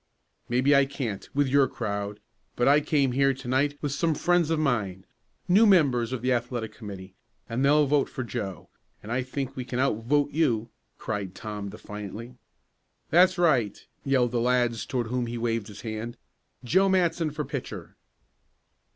"Maybe I can't, with your crowd, but I came here to night with some friends of mine, new members of the athletic committee, and they'll vote for Joe, and I think we can outvote you!" cried Tom defiantly. "That's right!" yelled the lads toward whom he waved his hand. "Joe Matson for pitcher."